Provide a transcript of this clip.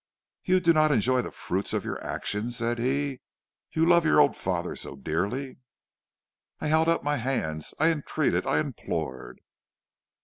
"'You do not enjoy the fruits of your actions,' said he. 'You love your old father so dearly.' "I held out my hands; I entreated; I implored.